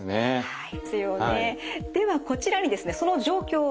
はい。